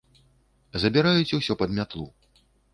Забіраюць усё пад мятлу.